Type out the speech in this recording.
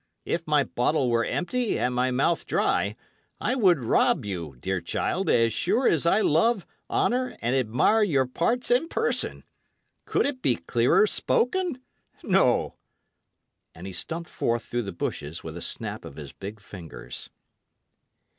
If my bottle were empty and my mouth dry, I would rob you, dear child, as sure as I love, honour, and admire your parts and person! Can it be clearer spoken? No." And he stumped forth through the bushes with a snap of his big fingers.